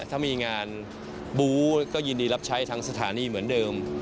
ถ้ามีงานบู๊ก็ยินดีรับใช้ทางสถานีเหมือนเดิม